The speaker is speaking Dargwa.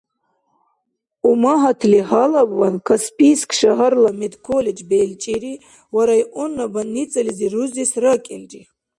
Умагьатли гьалабван Каспийск шагьарла медколледж белчӀири ва районна больницализи рузес ракӀилри.